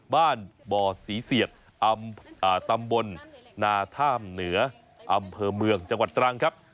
บ้านบ่อศรีเสียดตำบลนาท่ามเหนืออำเภอเมืองจังหวัดตรังครับ